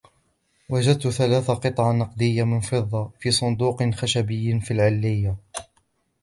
وجدت ثلاث قطع نقديّة من فضّة في صندوق خشبي في العليّة.